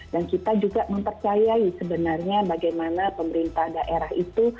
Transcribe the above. dan kita juga mempercayai sebenarnya bagaimana pemerintah daerah itu